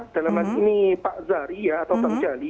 dalam hal ini pak zari ya atau bang jali